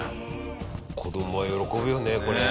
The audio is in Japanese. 子供は喜ぶよねこれ。